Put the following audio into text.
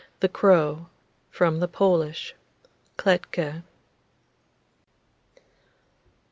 THE CROW(13) (13) From the Polish. Kletke.